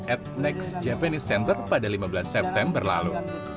at next japanese center pada lima belas september lalu